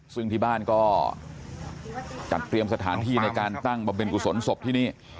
ซึ่งที่บ้านก็จัดเตรียมสถานที่ในการตั้งบำเพ็ญกุศลศพที่นี่